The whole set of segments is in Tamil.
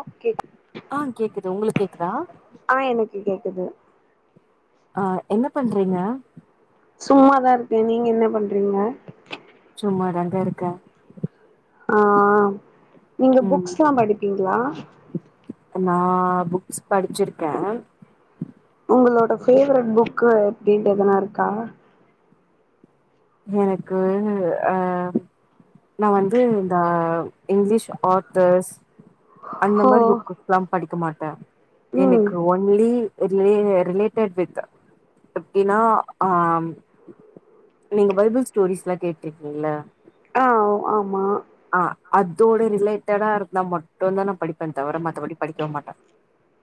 ஓகே ஆ கேக்குது உங்களுக்கு கேக்குதா ஆஹ் எனக்கு கேக்குது அஹ் என்ன பண்றீங்க சும்மாதான் இருக்கேன் நீங்க என்ன பண்றீங்க சும்மா தாங்க இருக்கே ஆஹ் ஆஹ் நீங்க புக்ஸ் எல்லாம் படிப்பீங்களா ளா நான் புக்ஸ் படிச்சிருக்கேன் உங்களோட பேவரட் புக் எப்படின்ட்டு எதனா இருக்கா எனக்கு அஹ நான் வந்து இந்த இங்கிலீஷ் ஆர்த்தர்ஸ் அந்த ஓ மாதிரி புக்குல்லாம் படிக்க மாட்டேன் ம் எனக்கு ஒன்லி ரில ரிலேட்டட் வித் எப்படின்னா அஹ் நீங்க பைபிள் ஸ்டோரிஸ் எல்லாம் கேட்டுருக்கீங்கள ஆஹ் ஆமா அதோட ரிலேட்டடா இருந்தா மட்டும்தான் நான் படிப்பேன் தவிர மத்தபடி படிக்கவே மாட்டேன்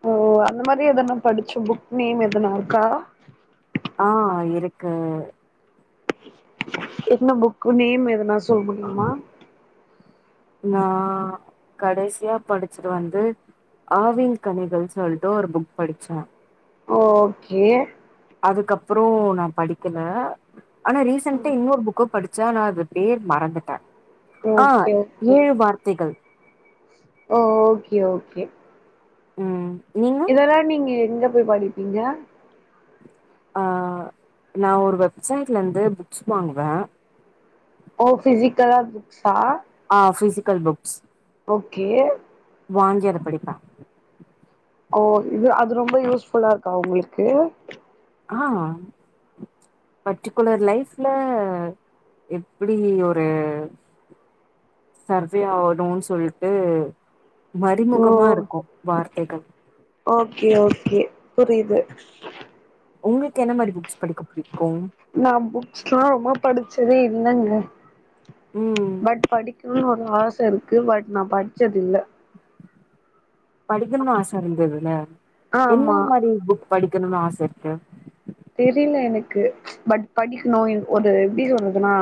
ஓ அந்த மாதிரி எதன படிச்சு புக் நேம் எதனா இருக்கா ஆஹ் இருக்கு இன்ன புக்கு நேம் எதுனா சொ சொல்ல முடியுமா நா கடைசியா படிச்சுட்டு வந்து ஆவின் கனிகள் சொல்ட்டு ஒரு புக் படிச்சே ஓகே அதுக்கப்றோ நா படிக்கல ஆனா ரீசன்டா இன்னொரு புக்கு படிச் ச ஆனா அது பேர் மறந்துட்டே ஆ ஓகே ஓகே ஏழு வார்த்தைகள் ஓ ஓகே ஓகே ம் நீங்க இதெல்லா நீங்க எங்க போய் படிப்பீங்க ஆ நா ஒரு வெப்சைட்லெந்து புக்ஸ் வாங்குவே ஓ ஃபிஸிக்கலா புக்ஸ் ஆ ஃபிசிக் கல் புக்ஸ் ஓகே வாங்கி அத படிப்ப ஓ இது அது ரொம்ப யூஸ்ஃபுல்லா இருக்கா உங்களுக்கு ஆ பர்ட்டிகுலர் லைஃப்ல எப்புடி ஒரு சர்வே ஆவணுன் சொல்ட்டு ஓ மறிமுகமா இருக்கும் வார்த்தைகள் கே ஓகே புரியிது உங்கக்கு என்ன மாரி புக்ஸ் படிக்க புடிக் நா புக்ஸ்லா ரொம்ப படிச்சதே இல்லங்க ம் பட் படிக்கனு னு ஆச இருக்கு பட் நா படிச்சதில்ல படிக்கணுன் ஆச இருந்துல்ல என்ன ஆமா மாரி புக் படிக்கணுன் ஆச இரு த தெரில எனக்கு பட் படிக்கணு ஒரு எப்டி சொல்றதுனா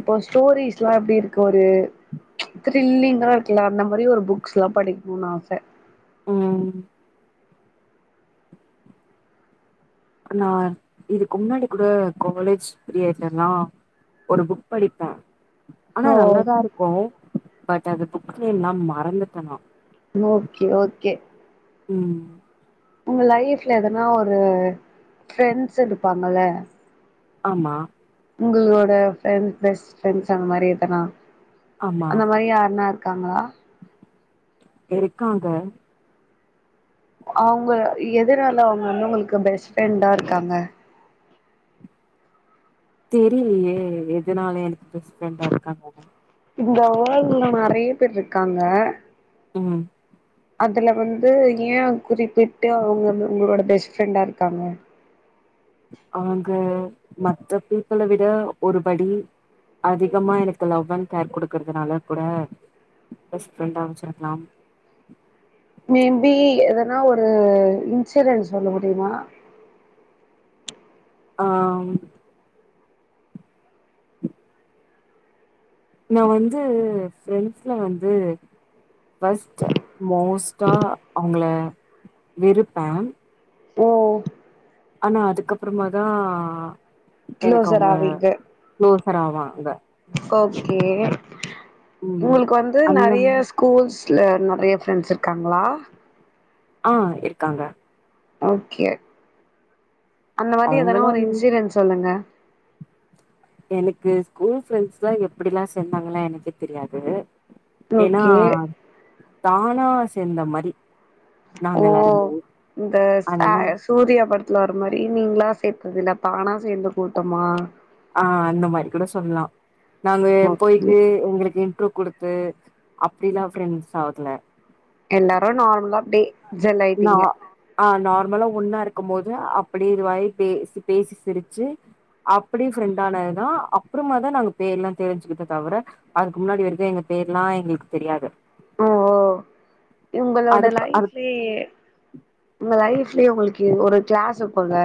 இப்போ ஸ்டோரிஸ்லா எப்டி இருக்கு ஒரு திரில்லிங்கா இருக்குல அந்த மாரி ஒரு புக்ஸ்லா படிக்கணுனு ஆச உம் நா இதுக்கு முன்னாடி கூட காலேஜ் பீரியட்லல்லா ஒரு புக் படிப்பே ஆனா ஓ நல்லாதா இருக்கும் பட் அது புக் நேம்லா மறந்துட்ட நா ஓகே ஓகே உம் உங்க லைஃப்ல எதனா ஒரு ஃப்ரெண்ட்ஸ் இருப்பாங்கல்ல ஆமா உங்களோட ஃப்ரெண்ட்ஸ் பெஸ்ட் ஃப்ரெண்ட்ஸ் அந்த மாரி எதனா ஆமா அந்த மாரி யார்னா இரு க்காங்ளா இருக்காங்க அவுங்க எதுனால அவுங்க வந்து உங்களுக் பெஸ்ட் ஃப்ரெண்டா இருக்காங்க தெரியலயே எதுனால எனக் பெஸ்டஃபிரண்டா இருக்காங்கன்னு இந்த உறவுகள் நறைய பேர் இருக்காங்க உம் அதுல வந்து ஏன் குறிப் விடடு அவுங்க உங்களோட பேச ஃப்ரெண்டா இருக்காங்க அவுங்க மத்த பீப்பிளை விட ஒருபடி அதிகமா எனக்கு லவ் அன் கேர் கொடுக்கறதுனால கூட பெஸ்ட் ஃப்ரெண்டா வச்சிருக்கலாம் மேபி எதனா ஒரு இன்சிடன்ஸ் சொல்ல முடியுமா ஆஹ் நான் வந்து ஃரெண்ட்ஸ்ல வந்து பஸ்ட் மோஸ்டா அவுங்கள விருப்பேன் ஓ ஆனா அதுக்கப்புறமாதான் எனக்கு க்ளோசர் அவுங்க ஆவீங்க குளோசர் ஆவான் இந்த ஓகே ம் உங்களுக்கு வந்து அந்த நறைய ம் ஸ்கூல்ஸ் வீட்ல நறைய ஃப்ரெண்ட்ஸ் இருக்காங்களா ஆஹ் இருக்காங்க ஓகே அந்த மாரி எதானா அவங்களா ஒரு இன்சிரன்ஸ் சொல்லுங்க எனக்கு ஸ்கூல் ஃரெண்ட்ஸ்லாம் எப்படிலாம் சேந்தாங்களா எனக்கே தெரியாது ஏனா ஓகே தானா சேந்த மரி ஓ இந்த அதனால ஆஹ் சூர்யா படத்துல வர மாரி நீங்களாம் சேத்ததுல தானா சேந்த கூட்டமா ஆஹ் அந்த மாரி கூட சொல்லலாம் நாங்க ஓகே போயிட்டு எங்களுக்கு இம்ப்ரூவ் குடுத்து அப்படிலாம் ப்ரெண்ட்ஸ் ஆகுதுல எல்லாரும் நார்மலா அப்டே ந ஆஹ் நான் நமளாம் ஒன்னா இருக்கும் போது அப்படி இது வி பேசி பேசி சிரிச்சு அப்படி ஃப்ரெண்ட் ஆனதுதான் அப்புறமா தான் நாங்க பேர் எல்லாம் தெரிஞ்சுக்கிட்ட தவிர அதுக்கு முன்னாடி வருக்கும் எங்க பேர்லாம் எங்களுக்கு தெரியாது ஓ ஓ உங்களோட அது அது லைஃப்லயே உங்க லைஃப் உங்களுக்கு ஒரு கிளாஸ் இருப்பங்க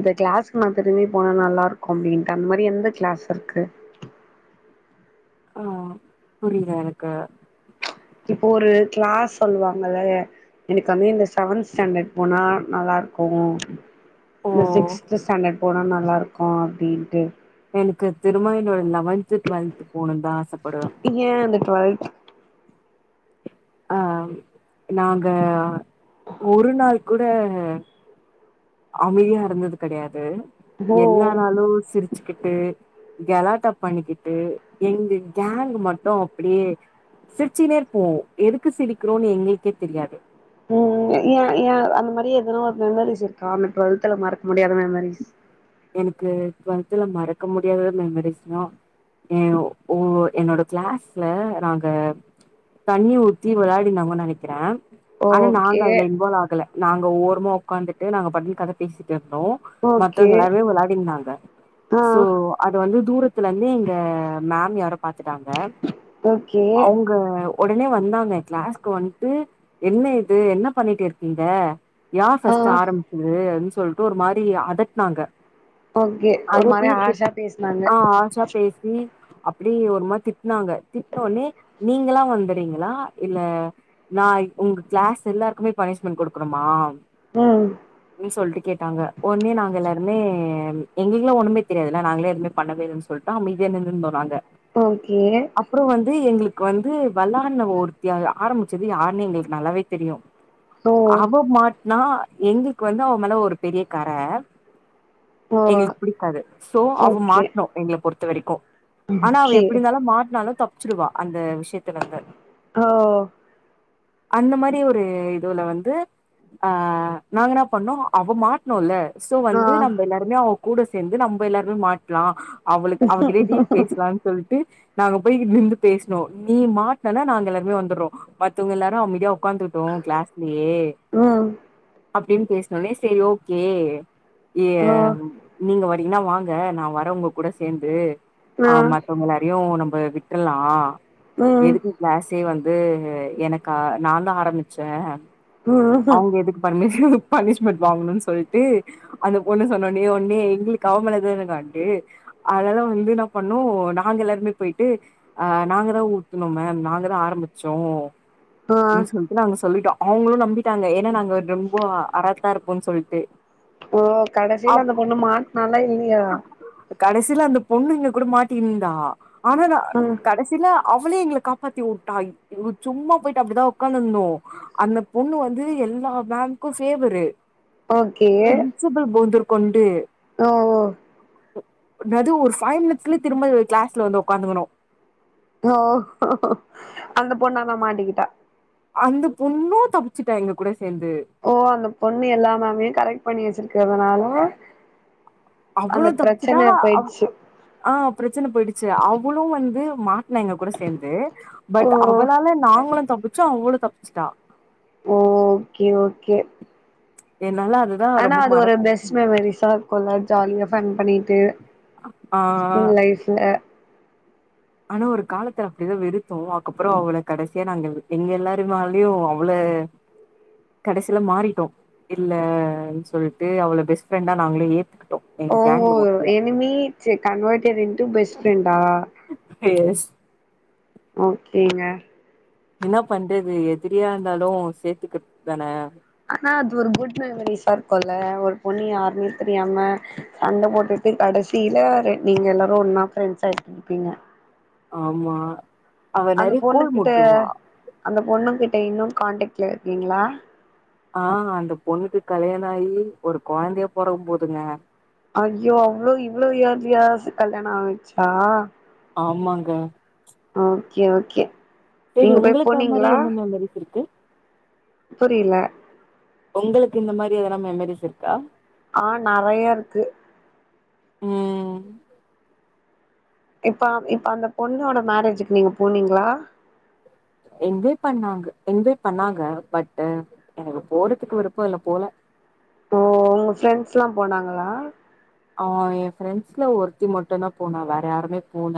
இந்த கிளாஸ்கு நான் திரும்பி போன நல்லா இருக்கும் அப்படின்டு அந்த மாரி எந்த கிளாஸ் இருக்கு ஆஹ் புரியல எனக்கு இப்போ ஒரு கிளாஸ் சொல்லுவாங்க எனக்கு அந்து இந்த செவன்த் ஸ்டாண்டர்ட் போனா நல்லாருக்கும் ஓ நான் சிக்ஸ்த் ஸ்டாண்டர்ட் போன லாருக்கும் அப்டின்ட்டு எனக்கு திரும்ம என்னோட லெவன்து டுவெல்த் போணுனு தா ஆசப்படுவே ஏ அந்த டுவெல்த் அ நாங்க ஒரு நாள் கூட அமையா இருந்தது கெடையாது ஓ எல்லா நாளு சிர் ச்சுகிட்டு கலாட்டா பண்ணிக்கிட்டு எங்க கேங் மட்டு அப்பிடியே சிரிச்சுனே இருப்போ எதுக்கு சிரிக்கிறோன் எங்களுக்கே தெரியாது ம் ம்ஏ ஏ அந்த மாரி எதுனா ஒரு மெமரிஸ் இருக்கா அந்த ட்வெல்த்துல மறக் எனக்கு ட்வெல் த்துல மறக்க முடியாத மெமரிஸ்னா ஏ ஓ என்னோட க்ளாஸ்ல நாங்க தண்ணி ஊத்தி வெளாடினாங்கனு நெனக்கிறே ஆனா நாங்க ஓகே அதுல இன்வால்வ் ஆகல நாங்க ஓரமா ஒக்காந்துட்டு நாங்க பாட்டுனு கத பேசிட்டு இருந்தோ ஓகே மத்தவ்ங்க எல்லாருமே வெளயாடிந்தாங்க ஆ சோ அது வந்து தூரத்துலெந்து எங்க மேம் யாரோ பாத்துட்டாங்க ஓகே அவுங்க உடனே வந்தாங்க க்ளாஸ்க்கு வன்ட்டு என்ன இது என்ன பண்ணிட்டு இருக்கீங்க யாரு ஆ ஃபஸ்ட் ஆரம்பிச்சது அப்டி சொ சொல்ட்டு ஒரு மாரி அ தட்னாங்க ஓகே ஒரு மாரி ஹார்ஷா பேசுனாங்க அப்பிடி ஒரு மாரி திட்னாங்க திட்னோனே நீங்களா வந்துறீங்களா இல்ல நா உங்க க்ளாஸ் எல்லாருக்குமே பனிஷ்மெண்ட் கொடுக்கணுமா ம் னி சொல்ட்டு கேட்டாங்க ஒன்னே நாங் துமே எங்களுக்குல்லா ஒண்ணுமே தெரியாதுல்ல நாங்களே எதுவுமே பண்ணவே இல்லன் சொல்ட்டோ அமைதியா நின்னுருந்தோ நாங்க ஓகே அப்றோ வந்து எங்களுக் கு வந்து வல்லான்ன ஒருத்தி ஆரம்பிச்சது யார்னு எங்களுக்கு நல்லாவே தெரியும் ஓ அவ மாட் னா எங்களுக்கு வந்து அவ மேல ஒரு பெரிய கர ஓ எங்களுக்கு பிடிக்காது சோ அவ ஓகே மாட்னு எங்கள பொறு த்தவரைக்கும் ஆனா அவ ஓகே எப்டி இருந்தாலு மாட்னாலு தப்பு ச்சுடுவா அந்த விஷ்யத்துலந்து ஓ அந்த மாரி ஒரு இதுவுல வந்து ஆ நாங்க என்ன பண்ணோ அவ மாட்னோல்ல த்தொ ஆ வந்து நம்ப எல்லாருமே அவ கூட சேந்து நம்ப எல்லாருமே மாட்லா அவளுக் அவகிட்டே டீல் பேசலான் சொல்ட்டு நாங்க போய் இருந்து பேசனோம் நீ மாட்டினனா நாங்க எல்லாருமே வந்துடுறோம் மத்தவங்க எல்லாரும் அமதியா உட்காந்துட்டோம் கிளாஸ்லயே ம் அப்படின்னு பேசின உடனே சேரி ஓகே அய்யா ஓ ஆ நீங்க வா அப்படின்னா வாங்க நா வர உங்க கூட சேர்ந்து ஆமா இப்போ உங்க எல்லாரையும் நம்ம விட் விட்றல ம் எதுக்கு க்ளாசே வந் அது எனக்கா நா தான் ஆரம்பிச்சேன் ம் அவங்க எதுக்கு பர்மிஷன் பனிஷ்மெண்ட் வாங்கணும்னு சொல்லிட்டு அந்த பொண்ணு சொன்னோனே உன்னே எங்களுக்கு அவமேலதன்னா கான்டு அதெல்லாம் வந்து என்ன பண்ணோம் நாங்க எல்லாருமே போயிட்டு அஹ் நாங்கதான் ஊத்தனோம் மேம் நாங்கதான் ஆரம்பிச்சோம் ஆ னு சொல்லிட்டு நாங்க சொல்லிட்டோ அவங்களும் நம்பிட்டாங்க ஏன்னா நாங்க ரொம்ப அரா தா இருப்போன்னு சொல்லிட்டு ஓ கடைசியில அந்த பொண்ணு மாட்னாலா இல்லையா சில அந்த பொண்ணுங்க கூட மாட்டியிருந்தா ஆனனா ம் கடைசில அவளே எங்களை காப்பாத்தி உட்டா சும்மா போயிட்டு அப்படிதான் உக்காந்துர்ந்தோம் அந்த பொண்ணு வந்து எல்லா மேம்கு பெவரு ஓகே போந்துர் கொண்டு ஓ ஓ என்னது ஒரு ஃபைவ் மினிட்ஸ்லயே திரும்ப கிளாஸ்ல வந்து உக்காந்துக்கணு ஓ டா அந்த பொண்ணும் தப்பச்சுட்ட எங்க கூட சேந்து ஓ அந்த பொண்ணு எல்லாமேம்யு கரெக்ட் பண்ணி வச்சிரு கதனால அவளோ தப்சுட்ட அ ஆஹ் பிரச்சன போயிடுச்சு அவளும் வந்து மா [unintelligible] எங்க கூட சேர்ந்து ஓ பட் அவளால நாங்களும் தப்பிச்சோ அவளும் தப் ஸ்டா ஓகே ஓகே என்னால அதுதா ஆனா ரொம்ப அது ஒரு பெஸ்ட் மறக்க மெமரிஸா இருக்கும்ள்ள ஜாலியா ஃபன் பண்ணிட்டு ஆ ஸ்கூல் லைஃப்ல ஆனா ஒரு காலத்துல அப்பிடிதா வெறுத்தோ அதுக்கப்புறோ அவள கடைசியா நாங்க எங்க எல்லாருனாலயு அவள கடைசியில மாறிட்டோ இல்லன்னு சொல்ட்டு அவள பெஸ்ட் ஃப்ரெண்டா நாங்களே ஏத்துக்கி ஓ ஓ எனிமி ச்சே கன்வர்டட் இன்டூ பெஸ்ட் ஃப்ரெண்டா எஸ் ஓகேங்க என்ன பண்றது எதிரியா இருந்தாலு சேத்துக்கிட்டுதான ஆனா அது ஒரு குட் மெமரிஸா இருக்கும்ல ஒரு பொண்ணு யாருனே தெரியாம சண்டை போட்டுட்டு கடைசியில நீங்க எல்லாரு ஒன்னா ஃபிரெண்ட்ஸ் ஆய்ட்டு இருப்பீங்க ஆமா அவ அந்த நெறைய பொண்ணு கோல் கிட்ட மூட்டுவா அந்த பொண்ணு கிட்ட இன்னும் கான்டாக்ட்ல இருக்கீங்களா ஆஹ் அந்த பொண்ணுக்கு கல்யாணோ ஆகி ஒரு கொழந்தையே பொறக்க போதுங்க ஐயோ அவ்ளோ இவ்ளோ ஏர்லியா கல்யாணம் ஆகிட்ச்சா ஆமாங்க ஓகே ஓகே சேரி நீங்க போய் உங்களுக்கு அது மாரி போனீங்களா என்ன மெமரிஸ் இருக்கு புரியல உங்களுக்கு இந்த மாரி எதனா மெமரிஸ் இருக்கா ஆஹ் நெறைய இருக்கு உம் இப்ப இப்ப அந்த பொண்ணோட மேரேஜுக்கு நீங்க போனீங்களா இன்வைட் பண்ணாங்க இன்வைட் பண்ணாங்க பட் எனக்கு போறதுக்கு விருப்போ இல்ல போல ஓ உங்க ஃபிரெண்ட்ஸ்லா போனாங்களா ஆஹ் என் ஃப்ரெண்ட்ஸ்ல ஒருத்தி மட்டும்தா போனா வேற யாருமே போல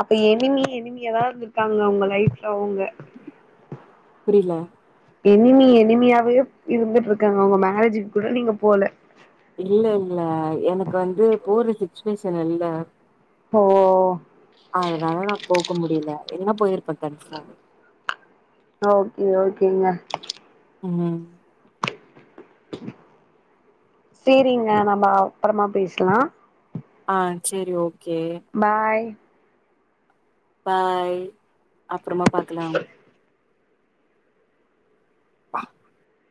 அப்ப எனிமி எனிமி யாராவது இருந்துருக்காங்ளா உங்க லைஃப் அவங்க புரியல எனிமி எனிமியாவே இருந்துட்ருக்காங்க அவுங்க மேரேஜிக்கு கூட நீங்க போல இல்ல இல்ல எனக்கு வந்து போற சுச்சுவேஷன் இல்ல ஓ அதனால நான் போக முடியல இல்லனா போயிருப்பே கன்ஃபாம் ஓகே ஓகேங்க உம் சேரிங்க நம்ம அப்புறமா பேசலா ஆஹ் சேரி ஓ பாய் பாய் அ அப்றமா பாக்கலாம் ப்பா